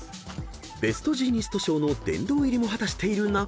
［ベストジーニスト賞の殿堂入りも果たしている中島］